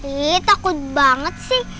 eh takut banget sih